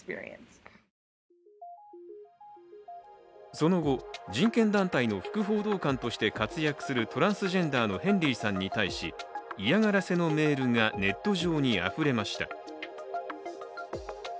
その後、人権団体の副報道官として活躍するトランスジェンダーのヘンリーさんに対し嫌がらせのメールがネット上にあふれました。